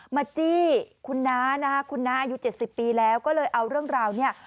จี้คุณน้านะคะคุณน้าอายุ๗๐ปีแล้วก็เลยเอาเรื่องราวเนี่ย